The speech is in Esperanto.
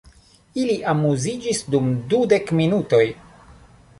Ili amuziĝis dum dudek minutoj.